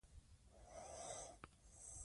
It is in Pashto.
په راکړه ورکړه کې افغانۍ وکاروئ.